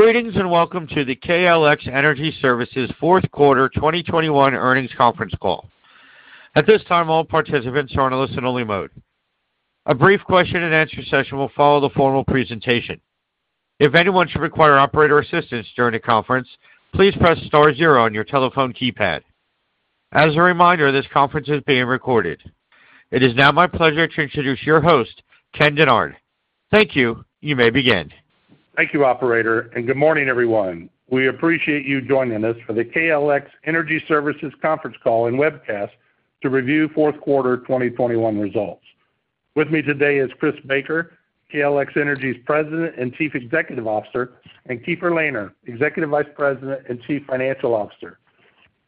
Greetings, and welcome to the KLX Energy Services Fourth Quarter 2021 Earnings Conference Call. At this time, all participants are in listen-only mode. A brief question-and-answer session will follow the formal presentation. If anyone should require operator assistance during the conference, please press star zero on your telephone keypad. As a reminder, this conference is being recorded. It is now my pleasure to introduce your host, Ken Dennard. Thank you. You may begin. Thank you, operator, and good morning, everyone. We appreciate you joining us for the KLX Energy Services conference call and webcast to review fourth quarter 2021 results. With me today is Chris Baker, KLX Energy Services' President and Chief Executive Officer, and Keefer Lehner, Executive Vice President and Chief Financial Officer.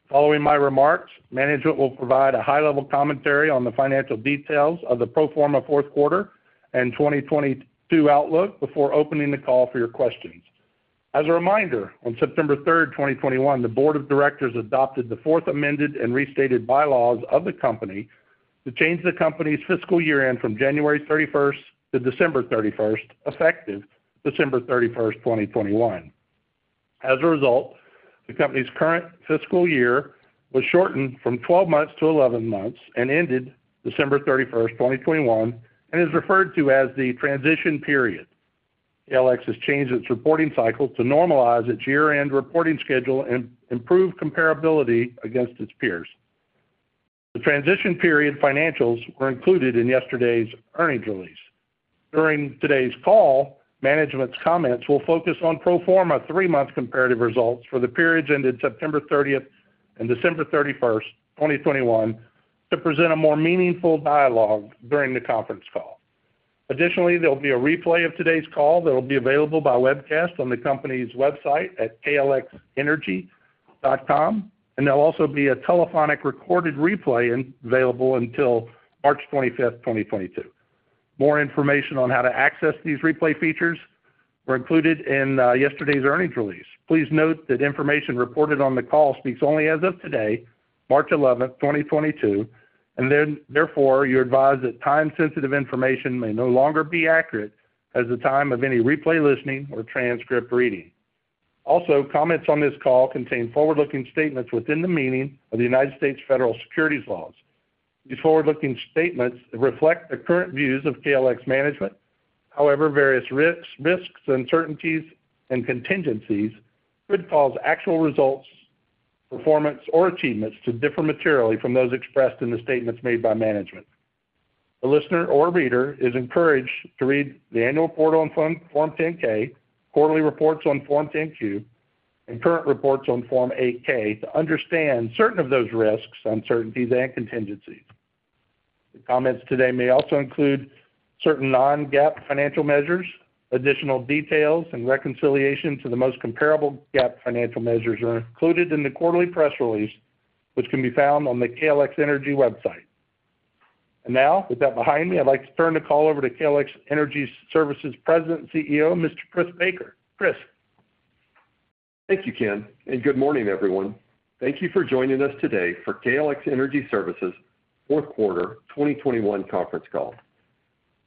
Following my remarks, management will provide a high-level commentary on the financial details of the pro forma fourth quarter and 2022 outlook before opening the call for your questions. As a reminder, on September 3rd, 2021, the board of directors adopted the fourth amended and restated bylaws of the company to change the company's fiscal year-end from January 31 to December 31st, effective December 31st, 2021. As a result, the company's current fiscal year was shortened from 12 months to 11 months and ended December 31, 2021, and is referred to as the transition period. KLX has changed its reporting cycle to normalize its year-end reporting schedule and improve comparability against its peers. The transition period financials were included in yesterday's earnings release. During today's call, management's comments will focus on pro forma three-month comparative results for the periods ended September 30th and December 31st, 2021 to present a more meaningful dialogue during the conference call. Additionally, there'll be a replay of today's call that'll be available by webcast on the company's website at klxenergy.com, and there'll also be a telephonic recorded replay available until March 25th, 2022. More information on how to access these replay features were included in yesterday's earnings release. Please note that information reported on the call speaks only as of today, March 11th, 2022, therefore, you're advised that time-sensitive information may no longer be accurate as of the time of any replay listening or transcript reading. Also, comments on this call contain forward-looking statements within the meaning of the United States federal securities laws. These forward-looking statements reflect the current views of KLX management. However, various risks, uncertainties, and contingencies could cause actual results, performance, or achievements to differ materially from those expressed in the statements made by management. The listener or reader is encouraged to read the annual report on Form 10-K, quarterly reports on Form 10-Q, and current reports on Form 8-K to understand certain of those risks, uncertainties, and contingencies. The comments today may also include certain non-GAAP financial measures. Additional details and reconciliation to the most comparable GAAP financial measures are included in the quarterly press release, which can be found on the KLX Energy website. Now, with that behind me, I'd like to turn the call over to KLX Energy Services President and CEO, Mr. Chris Baker. Chris. Thank you, Ken Dennard, and good morning, everyone. Thank you for joining us today for KLX Energy Services Fourth Quarter 2021 Conference Call.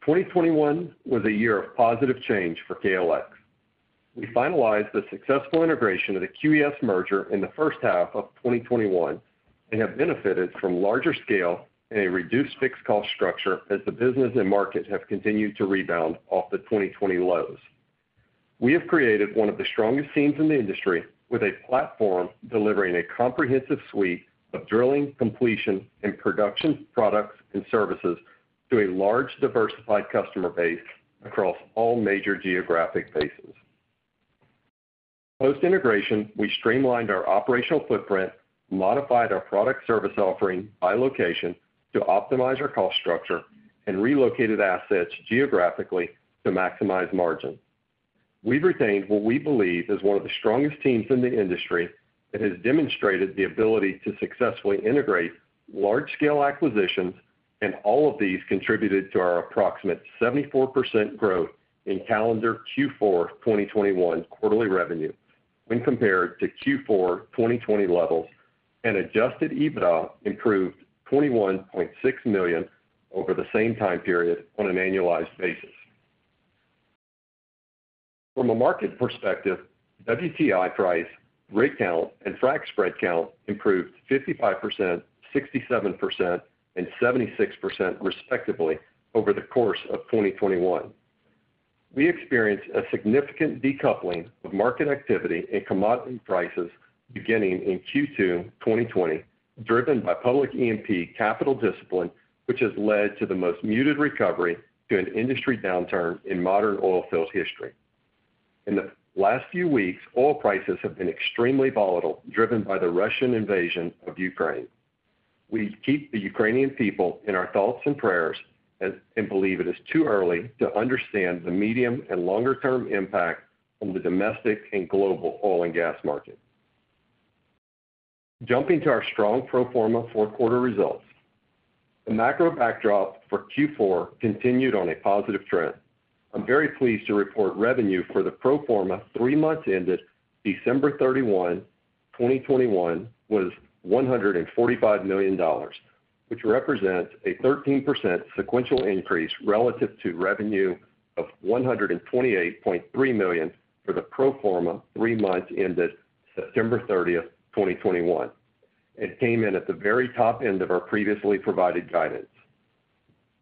2021 was a year of positive change for KLX. We finalized the successful integration of the QES merger in the first half of 2021 and have benefited from larger scale and a reduced fixed cost structure as the business and market have continued to rebound off the 2020 lows. We have created one of the strongest teams in the industry with a platform delivering a comprehensive suite of drilling, completion, and production products and services to a large, diversified customer base across all major geographic basins. Post-integration, we streamlined our operational footprint, modified our product service offering by location to optimize our cost structure, and relocated assets geographically to maximize margin. We've retained what we believe is one of the strongest teams in the industry that has demonstrated the ability to successfully integrate large-scale acquisitions, and all of these contributed to our approximate 74% growth in calendar Q4 2021 quarterly revenue when compared to Q4 2020 levels, and adjusted EBITDA improved $21.6 million over the same time period on an annualized basis. From a market perspective, WTI price, rig count, and frac spread count improved 55%, 67%, and 76% respectively over the course of 2021. We experienced a significant decoupling of market activity and commodity prices beginning in Q2 2020, driven by public E&P capital discipline, which has led to the most muted recovery to an industry downturn in modern oilfield history. In the last few weeks, oil prices have been extremely volatile, driven by the Russian invasion of Ukraine. We keep the Ukrainian people in our thoughts and prayers and believe it is too early to understand the medium- and longer-term impact on the domestic and global oil and gas market. Jumping to our strong pro forma fourth quarter results. The macro backdrop for Q4 continued on a positive trend. I'm very pleased to report revenue for the pro forma three months ended December 31, 2021 was $145 million, which represents a 13% sequential increase relative to revenue of $128.3 million for the pro forma three months ended September 30th, 2021. It came in at the very top end of our previously provided guidance.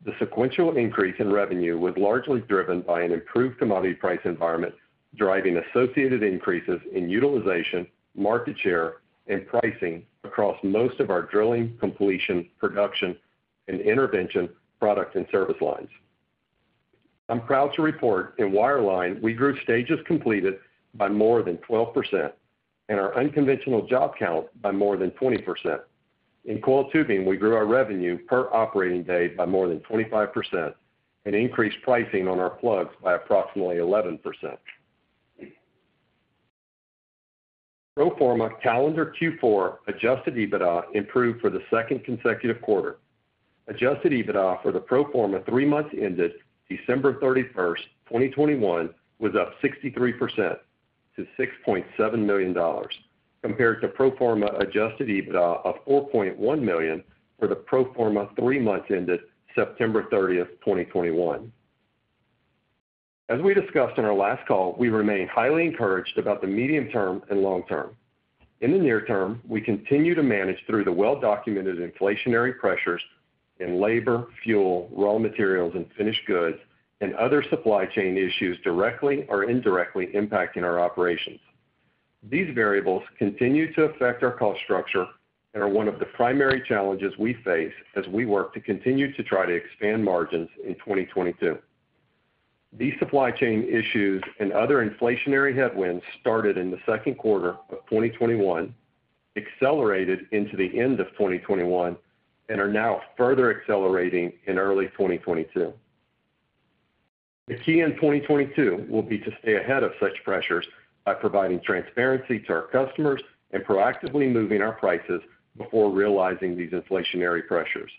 The sequential increase in revenue was largely driven by an improved commodity price environment, driving associated increases in utilization, market share, and pricing across most of our drilling, completion, production, and intervention product and service lines. I'm proud to report in wireline, we grew stages completed by more than 12% and our unconventional job count by more than 20%. In coiled tubing, we grew our revenue per operating day by more than 25% and increased pricing on our plugs by approximately 11%. Pro forma calendar Q4 adjusted EBITDA improved for the second consecutive quarter. Adjusted EBITDA for the pro forma three months ended December 31th, 2021, was up 63% to $6.7 million compared to pro forma adjusted EBITDA of $4.1 million for the pro forma three months ended September 30, 2021. As we discussed in our last call, we remain highly encouraged about the medium term and long term. In the near term, we continue to manage through the well-documented inflationary pressures in labor, fuel, raw materials, and finished goods and other supply chain issues directly or indirectly impacting our operations. These variables continue to affect our cost structure and are one of the primary challenges we face as we work to continue to try to expand margins in 2022. These supply chain issues and other inflationary headwinds started in the second quarter of 2021, accelerated into the end of 2021, and are now further accelerating in early 2022. The key in 2022 will be to stay ahead of such pressures by providing transparency to our customers and proactively moving our prices before realizing these inflationary pressures.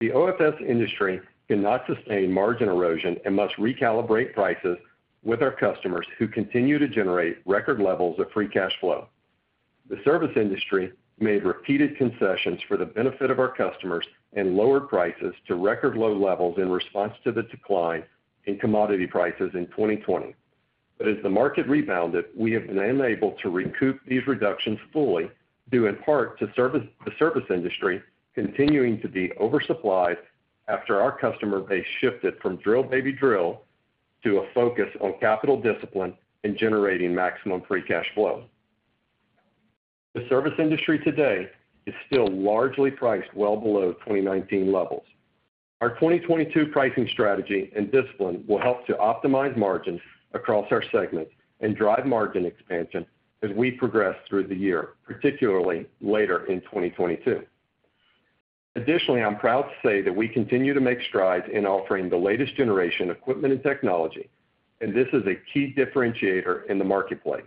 The OFS industry cannot sustain margin erosion and must recalibrate prices with our customers who continue to generate record levels of free cash flow. The service industry made repeated concessions for the benefit of our customers and lowered prices to record low levels in response to the decline in commodity prices in 2020. As the market rebounded, we have been unable to recoup these reductions fully, due in part to the service industry continuing to be oversupplied after our customer base shifted from drill, baby, drill to a focus on capital discipline and generating maximum free cash flow. The service industry today is still largely priced well below 2019 levels. Our 2022 pricing strategy and discipline will help to optimize margins across our segments and drive margin expansion as we progress through the year, particularly later in 2022. Additionally, I'm proud to say that we continue to make strides in offering the latest generation equipment and technology, and this is a key differentiator in the marketplace.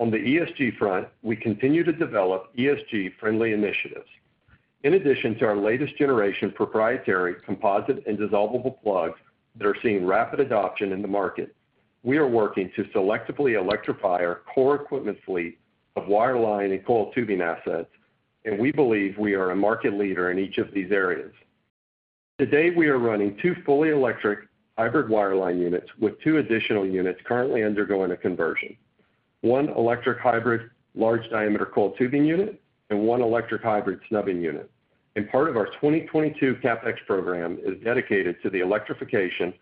On the ESG front, we continue to develop ESG-friendly initiatives. In addition to our latest generation proprietary composite and dissolvable plugs that are seeing rapid adoption in the market, we are working to selectively electrify our core equipment fleet of wireline and coiled tubing assets, and we believe we are a market leader in each of these areas. Today, we are running two fully electric hybrid wireline units with two additional units currently undergoing a conversion, one electric hybrid large diameter coiled tubing unit, and one electric hybrid snubbing unit. Part of our 2022 CapEx program is dedicated to the electrification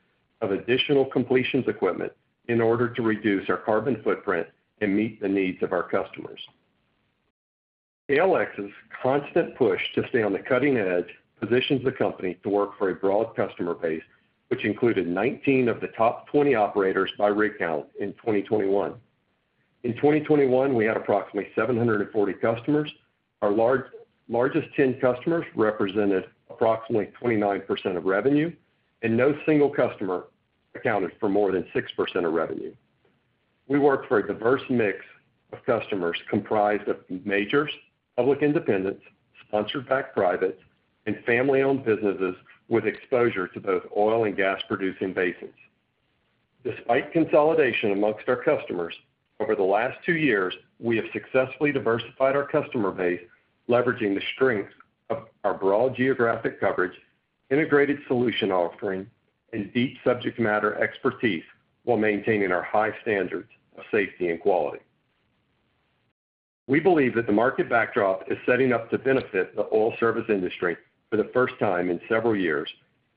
of additional completions equipment in order to reduce our carbon footprint and meet the needs of our customers. KLX's constant push to stay on the cutting edge positions the company to work for a broad customer base, which included 19 of the top 20 operators by rig count in 2021. In 2021, we had approximately 740 customers. Our largest 10 customers represented approximately 29% of revenue, and no single customer accounted for more than 6% of revenue. We work for a diverse mix of customers comprised of majors, public independents, sponsor-backed privates, and family-owned businesses with exposure to both oil- and gas-producing basins. Despite consolidation amongst our customers, over the last two years, we have successfully diversified our customer base, leveraging the strengths of our broad geographic coverage, integrated solution offering, and deep subject matter expertise while maintaining our high standards of safety and quality. We believe that the market backdrop is setting up to benefit the oil service industry for the first time in several years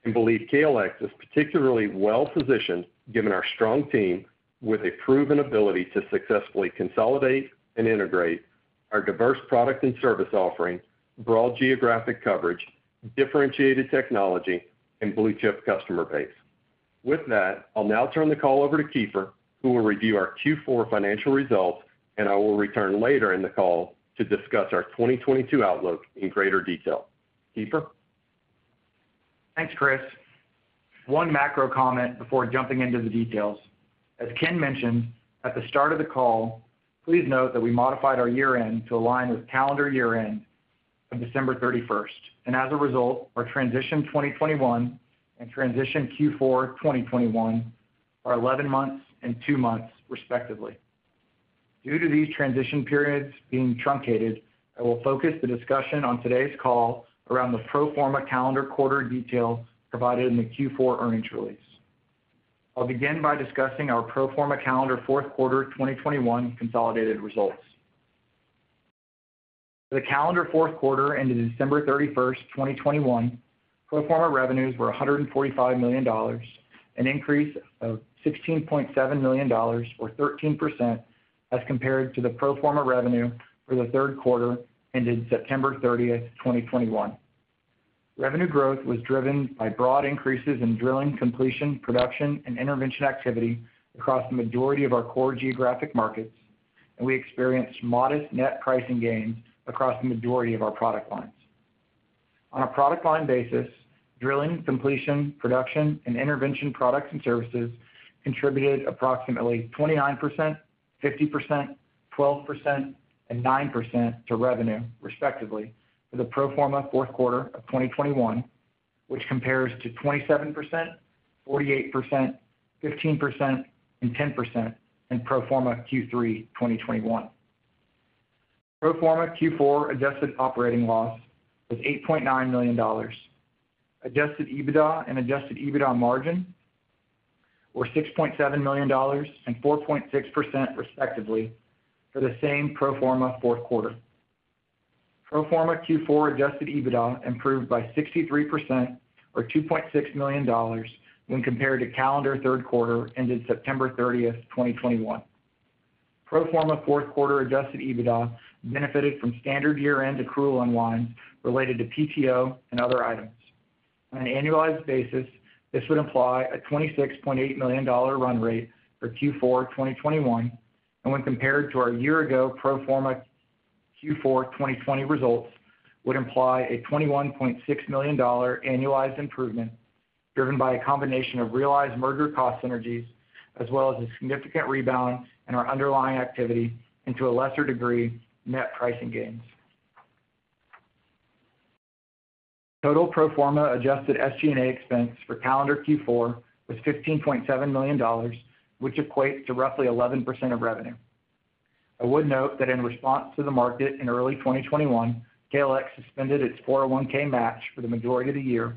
and believe KLX is particularly well-positioned given our strong team with a proven ability to successfully consolidate and integrate our diverse product and service offering, broad geographic coverage, differentiated technology, and blue-chip customer base. With that, I'll now turn the call over to Keefer, who will review our Q4 financial results, and I will return later in the call to discuss our 2022 outlook in greater detail. Keefer? Thanks, Chris. One macro comment before jumping into the details. As Ken mentioned at the start of the call, please note that we modified our year-end to align with calendar year-end of December 31st. As a result, our transition 2021 and transition Q4 2021 are 11 months and two months respectively. Due to these transition periods being truncated, I will focus the discussion on today's call around the pro forma calendar quarter details provided in the Q4 earnings release. I'll begin by discussing our pro forma calendar fourth quarter 2021 consolidated results. For the calendar fourth quarter ended December 31st, 2021, pro forma revenues were $145 million, an increase of $16.7 million or 13% as compared to the pro forma revenue for the third quarter ended September 30th, 2021. Revenue growth was driven by broad increases in drilling, completion, production and intervention activity across the majority of our core geographic markets, and we experienced modest net pricing gains across the majority of our product lines. On a product line basis, drilling, completion, production and intervention products and services contributed approximately 29%, 50%, 12%, and 9% to revenue, respectively, for the pro forma fourth quarter of 2021, which compares to 27%, 48%, 15%, and 10% in pro forma Q3 2021. Pro forma Q4 adjusted operating loss was $8.9 million. Adjusted EBITDA and adjusted EBITDA margin were $6.7 million and 4.6% respectively for the same pro forma fourth quarter. Pro forma Q4 adjusted EBITDA improved by 63% or $2.6 million when compared to calendar third quarter ended September 30, 2021. Pro forma fourth quarter adjusted EBITDA benefited from standard year-end accrual unwinds related to PTO and other items. On an annualized basis, this would imply a $26.8 million run rate for Q4 2021, and when compared to our year ago pro forma Q4 2020 results, would imply a $21.6 million annualized improvement, driven by a combination of realized merger cost synergies as well as a significant rebound in our underlying activity and to a lesser degree, net pricing gains. Total pro forma adjusted SG&A expense for calendar Q4 was $15.7 million, which equates to roughly 11% of revenue. I would note that in response to the market in early 2021, KLX suspended its 401(k) match for the majority of the year.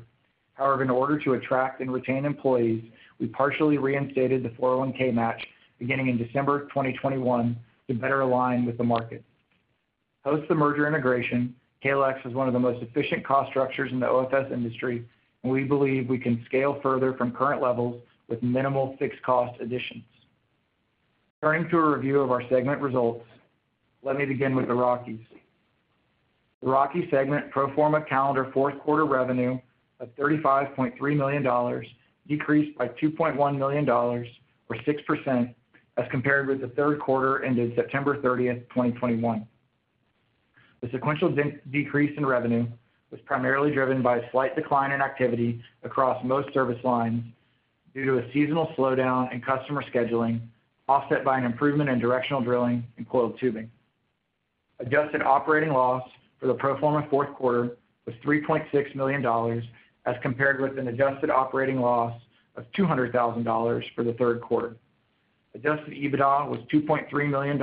However, in order to attract and retain employees, we partially reinstated the 401(k) match beginning in December 2021 to better align with the market. Post the merger integration, KLX has one of the most efficient cost structures in the OFS industry, and we believe we can scale further from current levels with minimal fixed cost additions. Turning to a review of our segment results, let me begin with the Rockies. The Rockies segment pro forma calendar fourth quarter revenue of $35.3 million decreased by $2.1 million or 6% as compared with the third quarter ended September 30th, 2021. The sequential decrease in revenue was primarily driven by a slight decline in activity across most service lines due to a seasonal slowdown in customer scheduling, offset by an improvement in directional drilling and coiled tubing. Adjusted operating loss for the pro forma fourth quarter was $3.6 million, as compared with an adjusted operating loss of $200,000 for the third quarter. Adjusted EBITDA was $2.3 million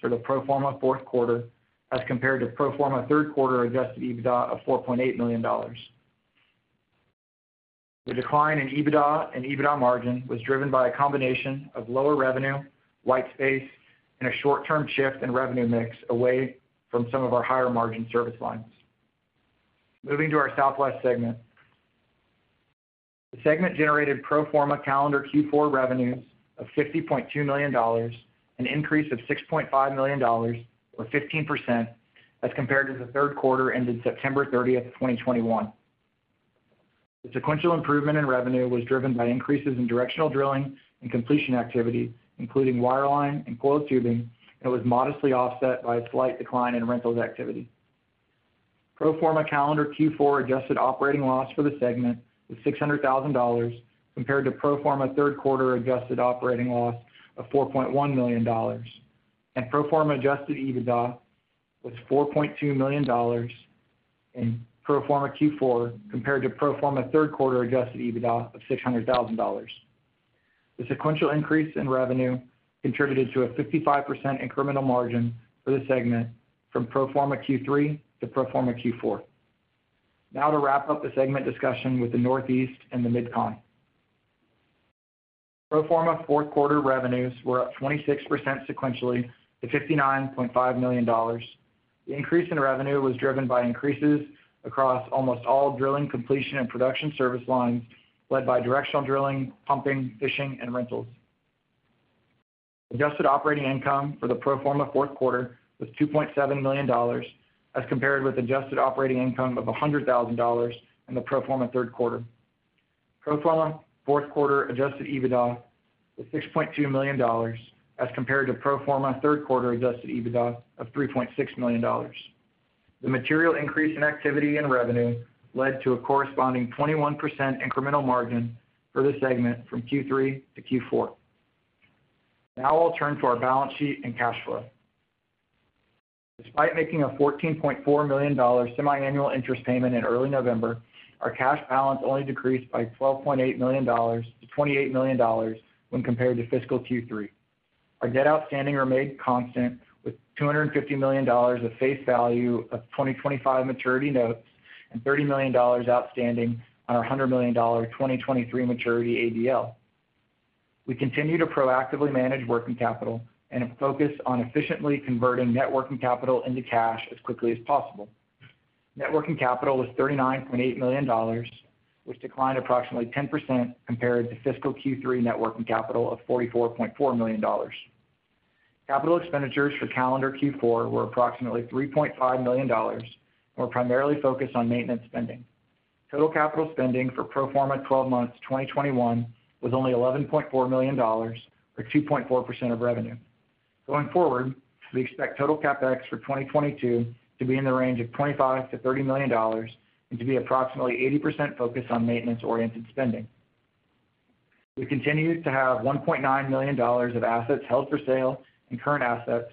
for the pro forma fourth quarter, as compared to pro forma third quarter adjusted EBITDA of $4.8 million. The decline in EBITDA and EBITDA margin was driven by a combination of lower revenue, white space and a short-term shift in revenue mix away from some of our higher margin service lines. Moving to our Southwest segment. The segment generated pro forma calendar Q4 revenues of $60.2 million, an increase of $6.5 million or 15% as compared to the third quarter ended September 30, 2021. The sequential improvement in revenue was driven by increases in directional drilling and completion activity, including wireline and coiled tubing, and was modestly offset by a slight decline in rentals activity. Pro forma calendar Q4 adjusted operating loss for the segment was $600 thousand compared to pro forma third quarter adjusted operating loss of $4.1 million, and pro forma adjusted EBITDA was $4.2 million in pro forma Q4 compared to pro forma third quarter adjusted EBITDA of $600 thousand. The sequential increase in revenue contributed to a 55% incremental margin for the segment from pro forma Q3 to pro forma Q4. Now to wrap up the segment discussion with the Northeast and the Mid-Con. Pro forma fourth quarter revenues were up 26% sequentially to $59.5 million. The increase in revenue was driven by increases across almost all drilling, completion and production service lines, led by directional drilling, pumping, fishing and rentals. Adjusted operating income for the pro forma fourth quarter was $2.7 million, as compared with adjusted operating income of $100,000 in the pro forma third quarter. Pro forma fourth quarter adjusted EBITDA was $6.2 million, as compared to pro forma third quarter adjusted EBITDA of $3.6 million. The material increase in activity and revenue led to a corresponding 21% incremental margin for the segment from Q3 to Q4. Now I'll turn to our balance sheet and cash flow. Despite making a $14.4 million semi-annual interest payment in early November, our cash balance only decreased by $12.8 million to $28 million when compared to fiscal Q3. Our debt outstanding remained constant with $250 million of face value of 2025 maturity notes and $30 million outstanding on our $100 million 2023 maturity ABL. We continue to proactively manage working capital and have focused on efficiently converting net working capital into cash as quickly as possible. Net working capital was $39.8 million, which declined approximately 10% compared to fiscal Q3 net working capital of $44.4 million. Capital expenditures for calendar Q4 were approximately $3.5 million and were primarily focused on maintenance spending. Total capital spending for pro forma 12 months 2021 was only $11.4 million, or 2.4% of revenue. Going forward, we expect total CapEx for 2022 to be in the range of $25 million-$30 million and to be approximately 80% focused on maintenance-oriented spending. We continue to have $1.9 million of assets held for sale in current assets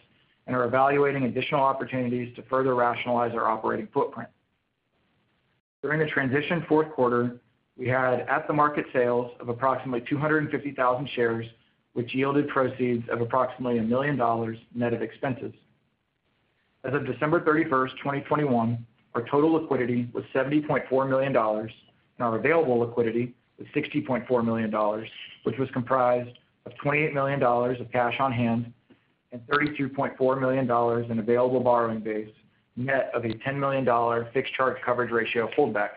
and are evaluating additional opportunities to further rationalize our operating footprint. During the transition fourth quarter, we had at-the-market sales of approximately 250,000 shares, which yielded proceeds of approximately $1 million net of expenses. As of December 31st, 2021, our total liquidity was $70.4 million, and our available liquidity was $60.4 million, which was comprised of $28 million of cash on hand and $32.4 million in available borrowing base, net of a $10 million fixed charge coverage ratio holdback.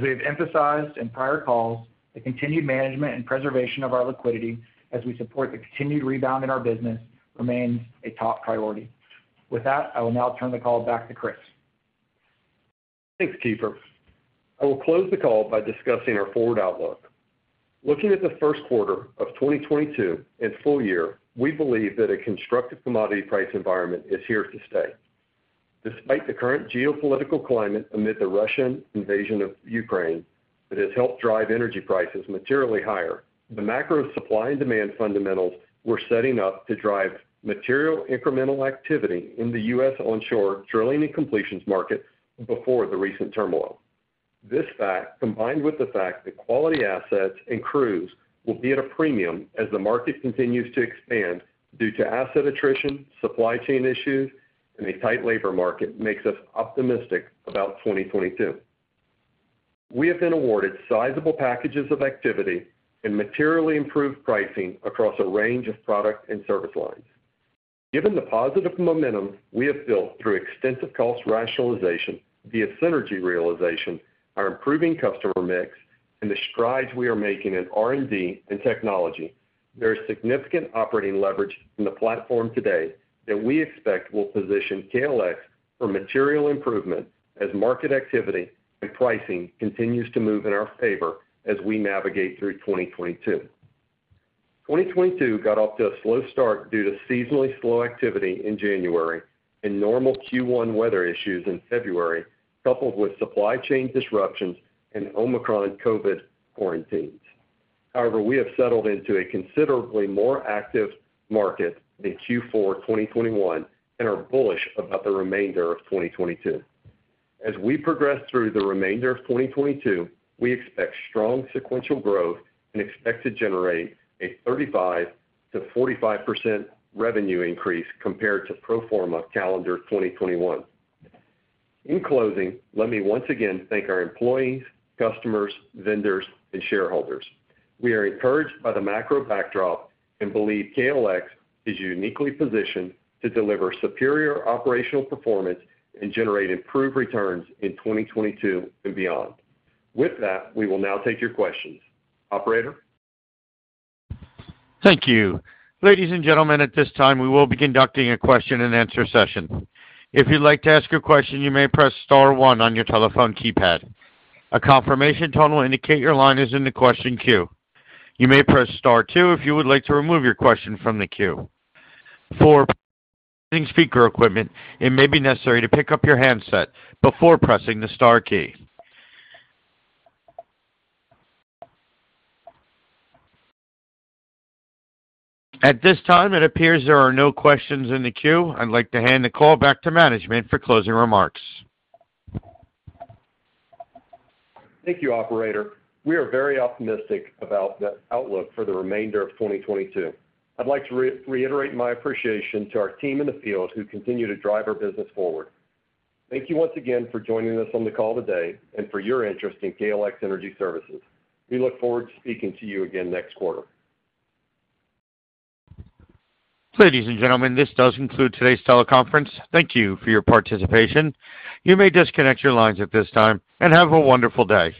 We have emphasized in prior calls, the continued management and preservation of our liquidity as we support the continued rebound in our business remains a top priority. With that, I will now turn the call back to Chris. Thanks, Keefer. I will close the call by discussing our forward outlook. Looking at the first quarter of 2022 and full year, we believe that a constructive commodity price environment is here to stay. Despite the current geopolitical climate amid the Russian invasion of Ukraine that has helped drive energy prices materially higher, the macro supply and demand fundamentals were setting up to drive material incremental activity in the U.S. onshore drilling and completions market before the recent turmoil. This fact, combined with the fact that quality assets and crews will be at a premium as the market continues to expand due to asset attrition, supply chain issues, and a tight labor market, makes us optimistic about 2022. We have been awarded sizable packages of activity and materially improved pricing across a range of product and service lines. Given the positive momentum we have built through extensive cost rationalization via synergy realization, our improving customer mix and the strides we are making in R&D and technology, there is significant operating leverage in the platform today that we expect will position KLX for material improvement as market activity and pricing continues to move in our favor as we navigate through 2022. 2022 got off to a slow start due to seasonally slow activity in January and normal Q1 weather issues in February, coupled with supply chain disruptions and Omicron COVID quarantines. However, we have settled into a considerably more active market than Q4 2021 and are bullish about the remainder of 2022. As we progress through the remainder of 2022, we expect strong sequential growth and expect to generate a 35%-45% revenue increase compared to pro forma calendar 2021. In closing, let me once again thank our employees, customers, vendors and shareholders. We are encouraged by the macro backdrop and believe KLX is uniquely positioned to deliver superior operational performance and generate improved returns in 2022 and beyond. With that, we will now take your questions. Operator? Thank you. Ladies and gentlemen, at this time we will be conducting a question and answer session. If you'd like to ask a question, you may press star one on your telephone keypad. A confirmation tone will indicate your line is in the question queue. You may press star two if you would like to remove your question from the queue. For speaker equipment, it may be necessary to pick up your handset before pressing the star key. At this time, it appears there are no questions in the queue. I'd like to hand the call back to management for closing remarks. Thank you, operator. We are very optimistic about the outlook for the remainder of 2022. I'd like to reiterate my appreciation to our team in the field who continue to drive our business forward. Thank you once again for joining us on the call today and for your interest in KLX Energy Services. We look forward to speaking to you again next quarter. Ladies and gentlemen, this does conclude today's teleconference. Thank you for your participation. You may disconnect your lines at this time, and have a wonderful day.